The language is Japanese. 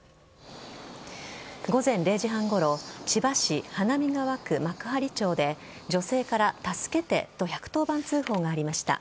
午前０時半ごろ千葉市花見川区幕張町で女性から助けてと１１０番通報がありました。